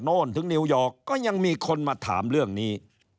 โน่นถึงนิวยอร์กก็ยังมีคนมาถามเรื่องนี้